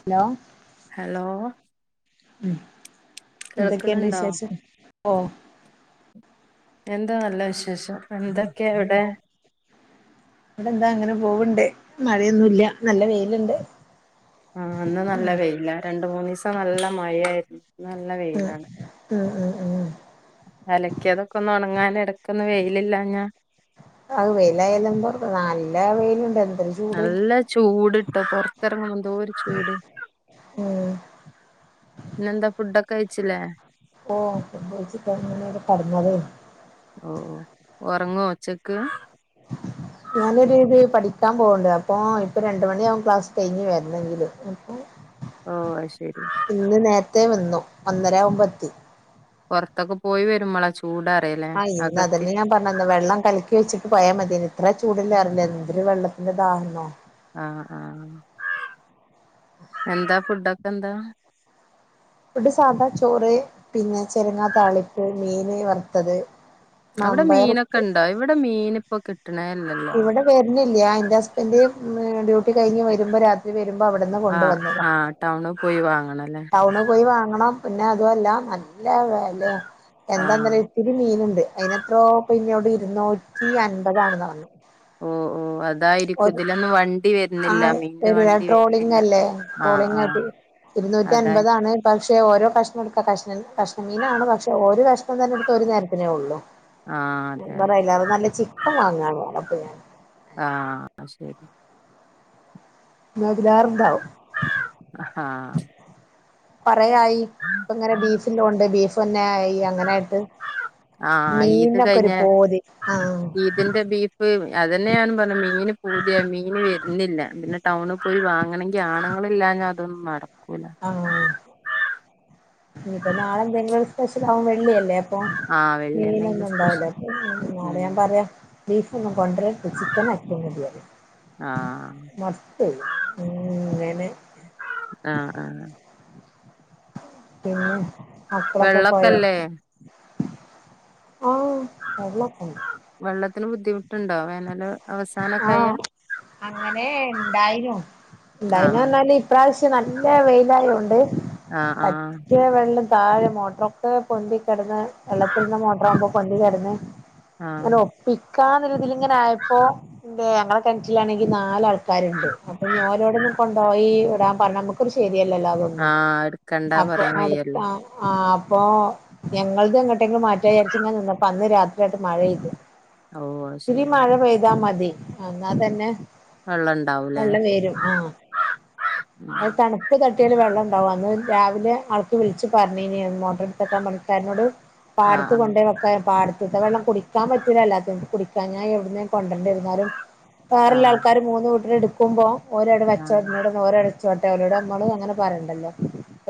Hello hello ഉം എന്തൊക്കെയുണ്ട് കേൾക്കണുണ്ടോ വിശേഷം? ഓഹ് എന്താ നല്ല വിശേഷം എന്തൊക്കെയാ അവിടെ? ഇവിടെ എന്താ അങ്ങനെ പോവുണ്ട് മഴയൊന്നുല്ല നല്ല വെയിലുണ്ട്. ആഹ് ഇന്ന് നല്ല വെയിലാ രണ്ട് മൂന്നീസം നല്ല മഴയായിരുന്നു ഇന്ന് നല്ല വെയിലാണ്. ആഹ് ആഹ് ആഹ് അലക്കിയതൊക്കെ ഒന്ന് ഒണങ്ങാൻ എടക്കൊന്ന് വെയിലില്ലാഞ്ഞാ അത് വെയിലായാ [unintelligible] നല്ല വെയില്ണ്ട് എന്തൊര് നല്ല ചൂട് ട്ടോ പൊറത്തെറങ്ങുമ്പോ എന്തോര് ചൂട്. ഉം പിന്നെന്താ ഫുഡൊക്കെ കഴിച്ചില്ലേ. ഓഹ് ഫുഡ് കഴിച്ചിട്ട് [unintelligible] കെടന്നതേനി ഓഹ് ഓഹ് ഒറങ്ങോ ഉച്ചക്ക്? ഞാനൊര് ഇത് പഠിക്കാൻ പോണ്ട് അപ്പൊ ഇപ്പൊ രണ്ട് മണിയാകും ക്ലാസ് കഴിഞ്ഞ് വരണെങ്കില്.. ആഹ് അയ് ശരി ഇന്ന് നേരത്തെ വന്നു ഒന്നരാവുമ്പെത്തി പൊറത്തൊക്കെ പോയി വരുമ്മളാ ചൂ ചൂടറിയാലെ ആഹ് ഇന്ന് അതന്നെ ഞാൻ പറഞ്ഞന്ന് വെള്ളം കലക്കി വെച്ചിട്ട് പോയാ മതിയേനി ഇത്ര ചൂടില്ലാ [unintelligible] എന്തൊരു വെള്ള [unintelligible] ദാഹം [unintelligible] ആഹ് ആഹ് എന്താ ഫുഡൊക്കെ എന്താ. ഫുഡ് സാധാ ചോറ് പിന്നെ ചെരങ്ങാ താളിപ്പ് മീൻ വറുത്തത്. അവിടെ മമ്പയർ മീനൊക്കെ ഉപ്പേരി ഇണ്ടോ ഇവിടെ മീനിപ്പോ കിട്ടണേ ഇല്ലല്ലോ. വെരുന്നില്ല എന്റെ ഹസ്ബൻഡിന് ഇന്ന് ഡ്യൂ ട്ടി കഴിഞ്ഞ് വരുമ്പോ രാത്രി വരുമ്പോ അവിടന്ന് കൊണ്ട് ആഹ് വന്നതാ ആഹ് ടൗണ് പോയി വാങ്ങണല്ലേ ടൗണ് പോയി വാങ്ങണം പിന്നെ അതു അല്ല നല്ല വെലയാ ആഹ് എന്താന്നറി ഇത്തിരി മീന്ണ്ട് അയിനെത്രോ ഇപ്പ ഇന്നോട് ഇരുന്നൂറ്റി അൻപതാണ്ന്നാ പറഞ്ഞെ ഓഹ് ഓഹ് അത് അതായിരിക്കും ഇതിലൊന്നും വണ്ടി ആ വെരുന്നില്ല മീന്റെ ഒരു വണ്ടി ട്രോളിങ് വരുന്നില്ല അല്ലേ ആഹ് ട്രോളിങ് ആയിട്ട് ആഹ് ഇരുന്നൂറ്റി അതായി അൻപതാണ് പക്ഷെ ഓരോ കഷ്ണം എടുക്കാ കഷ്ണം കഷ്ണം മീനാണ് പക്ഷെ ഓരോ കഷ്ണം തന്നെ എടുത്ത് ഒരു നേരത്തിനേ ഒള്ളു. ആഹ് അതെ അതെ ആയിലേറെ നല്ല ചിക്കൻ വാങ്ങാണ് പറഞ്ഞു അപ്പ ഞാന് ആഹ് അത് ശരി ഇന്നാ ഇതിലേറെണ്ടാവും. ആഹ കൊറെയായി ഇപ്പ ഇങ്ങനെ ബീഫ് ഇല്ലോണ്ട് ബീഫ് തന്നെ ആയി അങ്ങനായിട്ട് ആഹ് ഈദ് മീനിനൊക്കെ ഒരു കഴിഞ്ഞ പൂതി ആഹ് ഈദിന്റെ [unintelligible] അതന്നെ ഞാനും പറഞ്ഞെ മീന് പൂതിയായി മീന് വെരുന്നില്ല പിന്നെ ടൗണ് പോയി വാങ്ങണെങ്കി ഈ ആണുങ്ങളില്ലാഞ്ഞാ അതൊന്നും നടക്കൂല. ആഹ് ഇനിപ്പപ്പോ നാളെ എന്തെങ്കിലും ഒരു സ്പെഷ്യല ആകും വെള്ളിയല്ലേ. അപ്പൊ ആഹ് വെള്ളി എന്തെങ്കിലും മീനൊന്നും ഉണ്ടാവല സ്പെഷ്യൽ എന്നാട ഉം ഞാൻ പറയാം.. ബീഫ് ഒന്നും കൊണ്ടുവരരുത് ചിക്കൻ ആക്കിയ മതിയെന്നു ആഹ് മസ്ത്ത അങ്ങനെ ആഹ് ആഹ് പിന്നെ മക്കളൊക്കെ പോയോ.. വെള്ളൊക്കല്ലേ ആഹ വെള്ളൊക്കെ ണ്ട്. വെള്ളത്തിന് ബുദ്ധിമുട്ട് ഉണ്ടോ വേനല് അവസാനം ഒക്കെ ആയ അങ്ങനെ ഉണ്ടായിനു ഉണ്ടായിരുന്നു ആഹ് പറഞ്ഞാല് ഇ പ്രാവശ്യം നല്ല വെയിലായത് കൊണ്ട് ആഹ് ആഹ് പറ്റിയ വെള്ളം താഴെ മോട്ടോർ ഒകെ പൊന്തി കിടന്ന് വെള്ളത്തിൽ നിന്ന് മോട്ടറാകുമ്പോ പൊന്തി കിടന്ന് ആഹ് അങ്ങനെ ഒപ്പിക്കാനൊരുതിൽ ഇങ്ങനെ ആയപ്പോ ഞങ്ങളെ കിണറ്റിലാണെങ്കില് നാല് ആൾക്കാരുണ്ട് അപ്പൊ ഓരോടു ഒന്ന് കൊണ്ടുപോയി ഇടാൻ പറഞ്ഞ നമ്മ്ക് നമുക്കൊന്നും ശരിയല്ലല്ലോ അതൊന്നും ആഹ് എടുക്കണ്ടാ അപ്പൊ പറയാൻ വയ്യല്ലോ അടുത്താ ആഹ് അപ്പൊ ഞങ്ങളത് എങ്ങോട്ടെങ്കിലും മാറ്റാന്ന് വിചാരിച്ചു ഇങ്ങനെ നിന്നപ്പോ അന്ന് രാത്രിയാട്ട് മഴപെയ്ത് ഓ [inaudible] ഇത്തിരി മഴ പെയ്താ മതി എന്നാ തന്നെ വെള്ളം ഇണ്ടാവൂലേ വെള്ളം കേറും ഉം ആഹ് ആഹ് തണു ഇപ്പ തട്ടിയാല് വെള്ളം ഉണ്ടാവും അന്ന് രാവിലെ ആൾക്ക് വിളിച്ച് പറഞ്ഞിനി മോട്ടർ എടുത്ത് വെക്കാൻ പണിക്കാരനോട് പാടത്ത് ആഹ് കൊണ്ട് വെക്കാൻ പാടത്തത്തെ വെള്ളം കുടിക്കാൻ പറ്റില്ലല്ലോ അത് ഞാൻ എവിടുന്ന് കൊണ്ടുണ്ടിരുന്നാലും വേറുള്ള ആഹ് ആൾക്കാർ മൂന്ന് വീട്ടുകാർ എടുക്കുമ്പോൾ ഒരട ആഹ് വച്ചോട്ടനോട് ഓരടച്ചോട്ടരോടെ നമ്മൾ അങ്ങനെ പറയണ്ടല്ലോ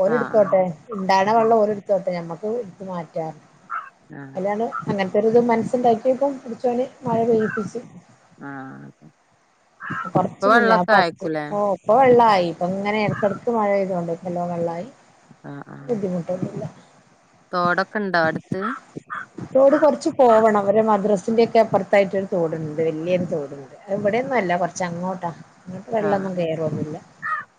ഓരടുത്തോട്ടെ ആഹ് ഇണ്ടാവണ ആഹ് വെള്ളം ഓരടുത്തോട്ടെ ഞമ്മക്ക് എടുത്ത് മാറ്റാറ് ആഹ് അല്ലാണ് അങ്ങനത്തെൊരു ഇത് മനസ്സുണ്ടാക്കിയപ്പം പടച്ചോന് മഴ പെയ്യിപ്പിച്ചു ആഹ് അതെ ഇപ്പൊ കൊറച്ച് മുന്നോ ഞാ വെള്ളൊക്കെ ആയിക്കൂലേ [inaudible] ഇപ്പൊ വെള്ളമായി ഇപ്പൊ ഇങ്ങനെ ഇടക്കിടക്ക് മഴ പെയ്ത് കൊണ്ട് എല്ലോ വെള്ളമായി ആഹ് ആഹ് ബുദ്ധിമുട്ടൊന്നുമില്ല തോടൊക്കെ ഉണ്ടോ അടുത്ത് തോട് കുറച്ച് പോവണം ഒരു മദ്രാസിന്റെയൊക്കെ അപ്പുറത്ത് അപ്പുറത്തായിട്ടൊരു തോടുണ്ട് വലിയൊരു തോടുണ്ട് ഇവിടെയൊന്നും അല്ല കുറച്ചങ്ങോട്ടാ ആഹ്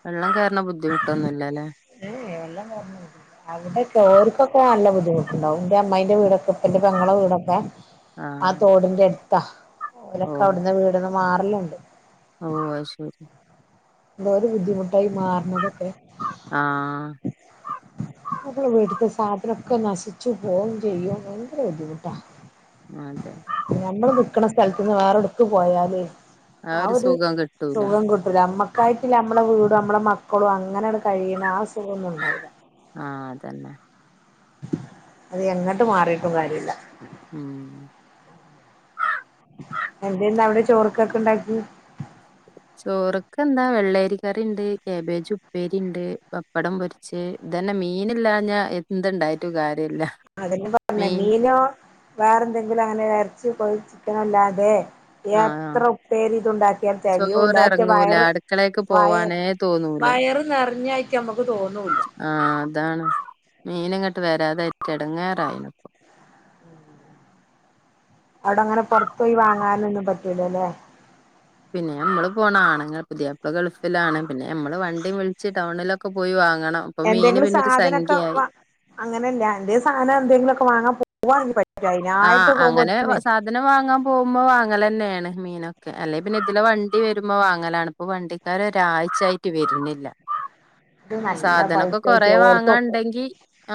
വെള്ളം കേറണ ബുദ്ധിമുട്ടൊന്നും ഇല്ലല്ലേ ഏഹ് വെള്ളം കേറൽ ഒന്നും ഇല്ല അവിടെയൊക്കെ ഓർക്കൊക്കെ നല്ല ബുദ്ധിമുട്ടുണ്ടാവും ന്റെ അമ്മായിന്റെ വീടൊക്കെ ന്റെ പെങ്ങളെ വീടൊക്കെ ആ ആഹ് തോടിൻ്റെ അടുത്താ ഓ അവരൊക്കെ അവിടന്ന് വീടന്ന് മാറലുണ്ട് ഓഹ് അത് ശരി എന്തൊരു ബുദ്ധിമുട്ടായി മാറുന്നതൊക്കെ ആഹ് നമ്മുടെ വീട്ടിലെ സാധനമൊക്കെ നശിച്ചു പോവുകയും ചെയ്യും ഭയങ്കര ബുദ്ധിമുട്ടാ ആഹ് അതെ ഞമ്മള് നിക്കണ സ്ഥലത്തുനിന്ന് വേറെടുത്ത് പോയാലേ ആ ഒരു സുഖം കിട്ട നമുക്കായിട്ടില്ല നമ്മളെ വീടും നമ്മുടെ മക്കളും അങ്ങനെയാണ് കഴിയുന്ന ആ സുഖമൊന്നും ഉണ്ടാവില്ല ആഹ് അതന്നെ അത് എങ്ങട്ടും മാറിട്ടും കാര്യമില്ല ഉം എന്താ ഇന്ന് അവിടെ ചോറക്കൊക്കെ ഉണ്ടാക്കി ചോറൊക്കെ എന്താ വെള്ളേരി കറിയുണ്ട് കാബേജ് ഉപ്പേരി ഉണ്ട് പപ്പടം പൊരിച്ച് ഇത് തന്നെ മീനില്ലാഞ്ഞാ എന്തുണ്ടായിട്ടും കാര്യമില്ല മീൻ ന [unintelligible] വേറെ എന്തെങ്കിലും അങ്ങനെ ഇറച്ചിയും കോഴിയും ചിക്കനും ഇല്ലാതെ ആഹ് എത്ര ഉപ്പേരി ഇത് ഉണ്ടാക്കിയാൽ ചോറ് തെകയൂലാ അയെറ്റെ എറങ്ങൂല വയറ് അടുക്കളേക്ക് വയർ പോവാനേ തോന്നൂല വയറ് നെറഞ്ഞായിട്ട് നമുക്ക് തോന്നൂല്ല ആഹ് അതാണ് മീന് ഇങ്ങട്ട് വരാതൊയിട്ട് എടങ്ങേറായിണ് അവിടങ്ങനെ പൊറത്തു പോയി വാങ്ങാനൊന്നും പറ്റൂലല്ലേ പിന്നെ നമ്മള് പോണം ആണുങ്ങള് പുതിയാപ്പള ഗൾഫിലാണ് പിന്നെ നമ്മള് വണ്ടി വിളിച്ച് ടൗണിലൊക്കെ പോയി വാങ്ങണം ഇപ്പൊ മീന് എന്തെങ്കിലും പിന്നൊരു സാധനൊക്കെ സംഖ്യയായി വാ അങ്ങനെല്ല എന്തേലും സാധനം എന്തെങ്കിലും ഒക്കെ വാങ്ങാൻ പോവാണെങ്കിൽ പറ്റും അതിനായിട്ട് ആഹ് അങ്ങനെ വ പോകുമ്പോത്തിനെയ് സാധനം വാങ്ങാൻ പോകുമ്പോൾ വാങ്ങല് തന്നെയാണ് മീനൊക്കെ അല്ലെങ്കിൽ പിന്നെ ഇതിലെ വണ്ടി വരുമ്പോ വാങ്ങലാണ് അപ്പൊ വണ്ടിക്കാരൊരാഴ്ച ആയിട്ട് വരുന്നില്ല ഇത് നല്ല സാധനൊക്കെ കൊറെ പൈസായിട്ട് വാങ്ങാൻ ഓൽക്കൊക്കെ ഉണ്ടെങ്കി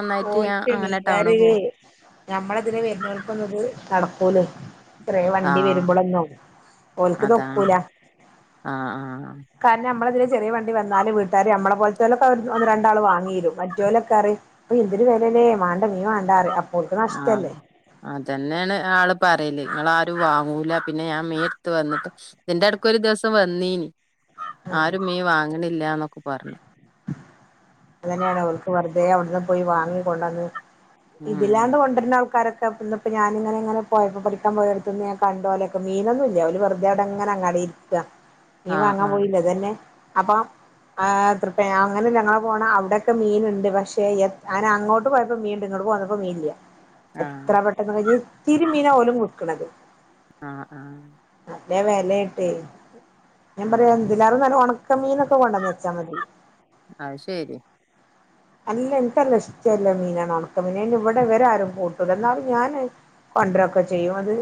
ഒന്നായിട്ട് ഞാൻ അങ്ങനെ ടൗണ് പോകും ഞമ്മളെ ഇതിലെ വരുന്നോൽക്കൊന്നിതു നടക്കൂലെയ് ഇത്രേ വണ്ടി ആഹ് വരുമ്പളൊന്നും ഓൽക്കിത് അതാണ് ഒക്കൂല ആഹ് ആഹ് കാരണം നമ്മളെ ഇതിലെ ചെറിയ വണ്ടി വന്നാല് വീട്ടാര് നമ്മളെപ്പോലെ മറ്റലക്കെ ഒന്ന്‌ രണ്ടാൾ വാങ്ങീരും മറ്റേലൊക്കെ അറിയും അഹ് എന്തിരു വെലല്ലേ മേണ്ട മീ മാണ്ട അറിയും ആഹ് അതന്നെയാണ് ആള് പറയല് നിങ്ങളാരും വാങ്ങൂല പിന്നെ ഞാൻ മീട്ത്ത് വന്നിട്ട് ഇതിന്റെ എടക്കൊരു ദിവസം വന്നീനി ആഹ് ആരും മീ വാങ്ങണില്ലന്നൊക്കെ പറഞ്ഞു അങ്ങനെയാണ് ഓൽക്ക് വെറുതെ അവിടുന്ന് പോയി വാങ്ങി കൊണ്ടന്ന് ഉം ഇതില്ലാണ്ട് കൊണ്ടരുന്ന ആൾക്കാരൊക്കെ ഇപ്പ ഇന്നിപ്പോ ഞാനങ്ങെനെങ്ങനെ പോയപ്പോ പഠിക്കാൻ പോയ അടുത്തുന്നു ഞാൻ കണ്ടോലൊക്കെ മീനൊന്നും ഇല്ല ഓല് വെറുതെവിടെങ്ങെനെ അങ്ങാടിൽ ഇരിക്കാ [inaudible] മീ വാങ്ങാൻ ആഹ് പോയില്ലതന്നെ അപ്പം ആ തൃ അങ്ങനെല്ല ഞങ്ങൾ പോണ അവിടെയക്കെ മീനുണ്ട് പക്ഷെ എ അങ്ങനെ അങ്ങോട്ട് പോയപ്പോ മീൻ ഉണ്ട് ഇങ്ങോട്ട് പോന്നപ്പോൾ മീൻ ഇല്ല [inaudible] എത്ര പെട്ടെന്ന് കഴിഞ്ഞത് ഇത്തിരിമീനാ ഓലും വിക്കണത് ആഹ് ആഹ് നല്ലെ വിലയിട്ടേ ഞാൻ പറയാ ആഹ് ഇന്തിലേറെ നല്ല ഒണ ക്ക മീനൊക്കെ കൊണ്ടന്ന് വച്ചാൽ മതി അഹ് ശരി അല്ല ഇൻക്ക് നല്ല ഇഷ്ടള്ള മീനാണ് ഒണക്ക മീന് അയ്ന് ഇവടെ ഇവര് ആരും കൂട്ടുല്ല എന്നാലും ഞാന് കൊണ്ടരൊക്കെ ചെയ്യും അത്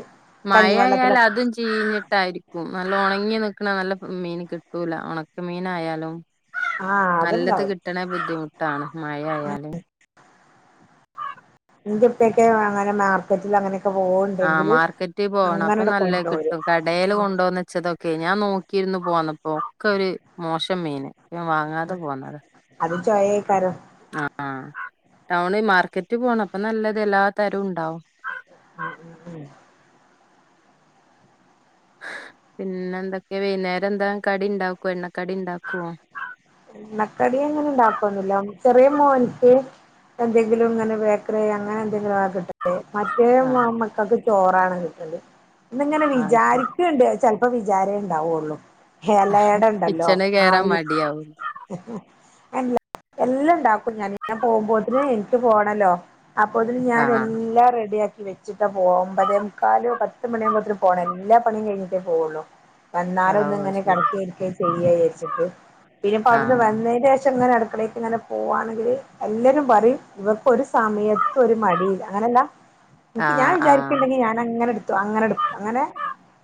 മയ ആയാൽ കഞ്ഞിവെള്ളത്തിലൊക്കെ അതും ചീഞ്ഞിട്ടായിരിക്കും നല്ല ഒണങ്ങി നിക്കണ നല്ല മീന് കിട്ടൂല ഒണക്ക മീനായാലും ആഹ് നല്ലത് അത്ണ്ടാവും കിട്ടണെ ബുദ്ധിമുട്ടാണ് മഴ ആയാല് ഇന്റെ ഇപ്പൊക്കെ വാങ്ങാനും മാർക്കറ്റിൽ അങ്ങനെ ആഹ് മാർക്കറ്റിൽ പോണം അപ്പൊ നല്ല കൊണ്ടോരും കിട്ടും കടയിൽ ഉം കൊണ്ടുവന്ന്‌ ച്ചതൊക്കെ ഞാൻ നോക്കിയിരുന്നു പോന്നപ്പോ ഒക്കെ ഒരു മോശം മീന് ഞാൻ വാങ്ങാതെ ഉം പോന്നത അത് ചൊയ അയ്ക്കാരം ആഹ് ടൗണ് മാർക്കറ്റ് പോണം അപ്പ നല്ലത് എല്ലാ തരവും ഉണ്ടാവും ഉം ഉം ഉം പിന്നെ എന്തൊക്കെയ വൈന്നേരം എന്താ കടി ഉണ്ടാക്കോ എണ്ണക്കടി ഇണ്ടാക്കോ എണ്ണക്കടി അങ്ങനെ ഇണ്ടാക്കോന്നില്ല ചെറിയ മോൻക്ക് എന്തെങ്കിലും ഇങ്ങനെ ബേക്കറി ആയി അങ്ങനെ എന്തെങ്കിലും ആകട്ടെ മറ്റേ ആഹ് മക്കൾക്ക് ചോറാണ് കിട്ടണ്ടെ ഇന്ന് ഇങ്ങനെ ആഹ് ശരി വിചാരിക്കണ്ട് ചെൽ ഇപ്പ വിചാരേ ഇണ്ടാവൊള്ളു എലട ഇണ്ടല്ലോ ആവി ടിയാവും അല്ല എല്ലാം ഇണ്ടാക്കും ഞാന് ഞാൻ പോകുമ്പോത്തിന് എനിക്ക് പോണല്ലോ അപ്പൊത്തിന് ഞാൻ ആഹ് എല്ലാം റെഡിയാക്കി വെ ച്ചിട്ട പോവ ഒമ്പതേമുക്കാലോ പത്ത് മണിയാവുമ്പോത്തേന് പോണം എല്ലാ പണിയും കഴിഞ്ഞിട്ടേ പോവുള്ളൂ വന്നാലൊന്ന് ഓഹ് ഇങ്ങനെ ശരി കെടക്കെ ഇരിക്കെ ചെയ്യ വിചാരിച്ചിട്ട് പിന്നെ ഇപ്പ അവിടുന്ന് ആഹ് വന്നതിന് ശേഷം ഇങ്ങനെ അടുക്കളേക്ക് ഇങ്ങനെ പോകുകയാണെങ്കി എല്ലാരും പറയും ഇവർക്കൊരു സമയത്ത് ഒരു മടി അങ്ങനെയല്ല എനിക്ക് ഞാൻ ആഹ് ആഹ് വിചാരിക്കില്ലെങ്കി ഞാന അങ്ങനെ എടുത്തു അങ്ങനെ എടുക്കും അങ്ങനെ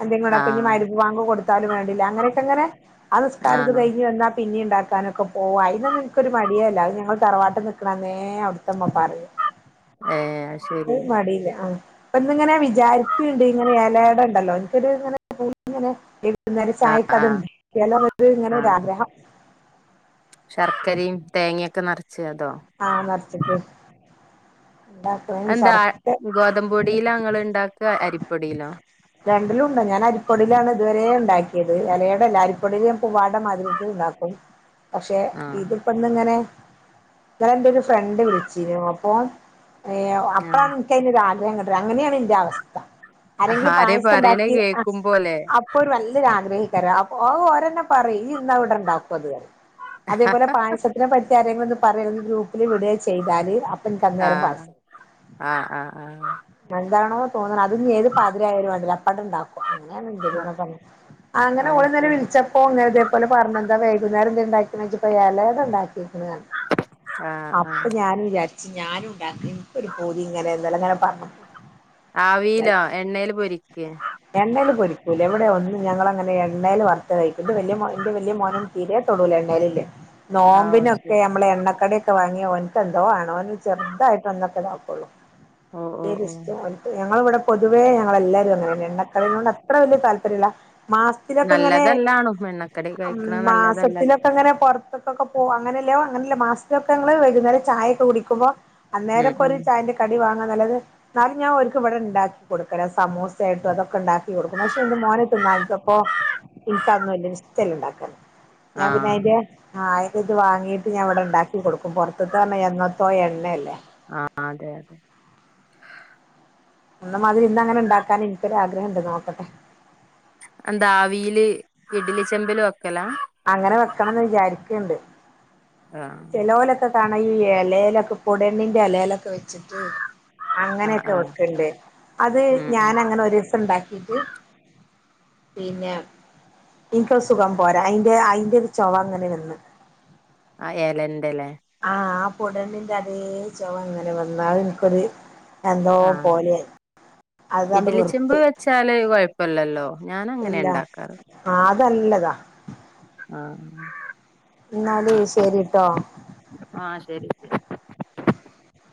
എന്തെങ്കിലും ആഹ് മഅ് രിബ് ബാ കൊടുത്താലും വേണ്ടില്ല അങ്ങനൊക്കെങ്ങനെ ആഹ് നിസ്കാര ആഹ് കഴിഞ്ഞ് വന്ന പിന്നെ ഉണ്ടാക്കാനൊക്കെ പോവും അയിനൊന്നും എനിക്കൊരു മടിയെ അല്ല അത് ഞങ്ങൾ തറവാട്ട് നിൽക്കണന്നേ അവിടുത്തമ്മ പറയും [inaudible] ഏഹ് അത് ഒരു ശരി മടിയില്ല ആഹ് ഇപ്പ ഇങ്ങനെ വിചാരിക്കുണ്ട് ഇങ്ങനെ ഇലടണ്ടല്ലോ എനിക്കൊങ്ങനെ ന്നേരം ആഹ് ചായക്കത് ആഹ് ലോന്നൊര് ഇങ്ങനൊരാഗ്രഹം. ശർക്കരിം തേങ്ങിയൊക്കെ ന്നെർച്ച് അതോ? ആഹ് നെർച്ച്ട്ട് ന്താ എന്താ ഗോതമ്പൊടിലാ ങ്ങള്ണ്ടാക്ക് അരിപ്പൊടിലോ? രണ്ടിലുണ്ട്. ഞാന് അരിപ്പൊടിയിലാണ് ഇതുവരെ ണ്ടാക്കിയത് എലയടല്ല അരിപ്പൊടിൽ ഞാൻ പൂവാട മാതിരിക്ക് ഉണ്ടാക്കും. പക്ഷെ ആഹ് ഇത്പ്പൊന്ന്ങ്ങനെ ന്നലെന്റൊരു ഫ്രണ്ട് വിളിച്ചീനു അപ്പൊ ഏ ആഹ് അപ്പളാണ്ൻക്കെയ്നൊരാഗ്രഹ ങ്ങട്ട് അങ്ങനെണ് ന്റെ അവസ്ഥ ആരെങ്കിലും ആരേ പറയണ പായസണ്ടാക്കി അ കേക്കുമ്പോലെ ഇപ്പൊര് വല്ല്യൊര് ആഗ്രഹെയ്ക്കാരം അയ് ഓരെന്നെ പറയിം യ്യ്ന്നാ വെടണ്ടാക്കുഅത്. അതേപോലെ പായസത്തിനെപ്പറ്റി ആരെങ്ങിലൊന്ന് പറ്യേ ഒന്ന് ഗ്രൂപ്പില് വിടേ ചെയ്താല്. അന്നേരം ആഹ് പായസം ആഹ് ആഹ് ന്താണോ? തോന്നണം അത്ഞ്ഞ് ഏത് പതിരായാലും വാണ്ടില അപ്പട് ണ്ടാക്കും. ആഹ് [unintelligible] അങ്ങനെ അത് ഓല്ന്നലെ ശരി വിൾച്ചപ്പൊ. ഓൻ ന്നലെ തേപോലെ പർഞ്ഞ് എന്താ വൈകുന്നേരെന്തേ ണ്ടാക്കീക്ക്ണോയ്ചപ്പൊ എലട ണ്ടാക്കീക്ക്ണ് ആഹ് അപ്പൊ ആഹ് ഞാന് വിചാര്ച്ച് ഞാനുണ്ടാക്ക ഇൻക്കൊര് പൂതിങ്ങനെ ന്നലെങ്ങനെ പർഞ്ഞ ആവിയിലോ എണ്ണയില് പൊരിക്കേ? എണ്ണയിൽപൊരിക്കൂല എവിടെയ ഒന്ന് ഞൾങ്ങനെ എണ്ണയിൽ വറുത്ത കഴിക്കും ഇ വലിയ വലിയ മോം തീരെ തൊടൂല എണ്ണേല്ല്ലെ ആഹ് ഓഹ് ശരി നോമ്പിനൊക്കെ നമ്മള് എണ്ണക്കടിയൊക്കെ വാങ്ങിയാ ഓൻക്കെന്തോ ആണ് ഓന് ചെർതായിട്ടൊന്നൊക്കെതാക്കുള്ളൂ. ഓഹ് ഓഹ് ഓഹ് എരുഷ്റ്റാ? ഞങ്ങളെവ്ടെ പൊതുവെ ഞങ്ങളെല്ലാരും അങ്ങനെന്നെ എണ്ണക്കടിനോട് അത്ര വല്യ താൽപര്യല്ല മാസത്തിലൊക്കെങ്ങനെ നല്ലതല്ലാണും എണ്ണക്കടി കഴിക്കണ നല്ലതല്ലല്ലോ മാസത്തിലൊക്കെങ്ങനെ കൊർ ക്കൊക്കെ പോവ അങ്ങനെല്ല അങ്ങനല്ല മാസത്തിലൊക്കെ ങ്ങള് വൈകുന്നേരം ചായൊക്കെ കുടിക്കുമ്പോ. ഉം അന്നേരൊക്കൊര് ഉം ചായന്റെ കടി വാങ്ങ്ന്നല്ലത് എന്നാലും ഞാൻ ഒ ഇവിടെണ്ടാക്കി കൊട്ക്കല സമോസായിട്ടും അതൊക്കെണ്ടാക്കി കൊടുക്കും. പക്ഷെ ന്റെ മോനത് തിന്നാത്തപ്പൊ ഇൻക്കഒന്നും വല്യ ഇഷ്റ്റല്ല ണ്ടാക്കാൻ ആഹ് ഞാപിന്നെയ്ന്റെ ആഹ് അയ്ന്റെത് വാങ്ങീട്ട് ഞാവടെണ്ടാക്കി കൊടുക്കും. പൊർത്ത്ത്തെർഞ്ഞ എന്നത്തോ എണ്ണല്ലേ. ആഹ് ആഹ് അതെ. ന്നമാതിരി ഇന്നങ്ങനെണ്ടാക്കാന് ഇൻക്കൊരാഗ്രഹണ്ട് നോക്കട്ടെ ന്താവിയില് ഇഡ്ലിച്ചെമ്പില് വെക്കലാ? അങ്ങനെ വെക്കണംന്ന് വിചാരിക്ക്‌ണ്ട് ആഹ് ചെലോലൊക്കെകാണാ ഈ എലേലൊക്കെ പൊടണ്ണിന്റെ എലേലൊക്കെ വെച്ചിട്ട് ആഹ് അങ്ങനൊക്കെ ആഹ് വെക്ക്‌ണ്ട് അത് ഞാനങ്ങനെ ഒരൂസം ണ്ടാക്കീട്ട് പിന്നെ ഇൻക്കത് സുഖം പോരാ അയ്ന്റെ അയ്ന്റൊരു ചൊവങ്ങനെ വന്ന്. അ എലന്റെലേ? ആഹ് ആ പൊടണ്ണിന്റെ അതേ ചൊവങ്ങനെ വന്നു അഹ്ൻക്കൊര് എന്തോ ആഹ് പോലെ അതണ് വെർത്തു. ചാലോ കൊയ്പ്പല്ലല്ലോ? ഇല്ല ആതല്ലതാ. ആഹ്. ന്നാലേ ശരിട്ടോ. ആഹ് ശരി. [inaudible]